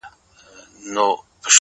• چي له چا به مولوي وي اورېدلې,